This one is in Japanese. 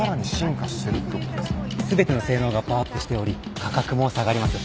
全ての性能がパワーアップしており価格も下がります。